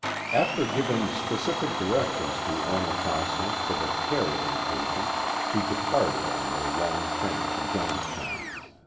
After giving specific directions to Onatassa for the care of the patient, she departed on her long tramp to Johnstown.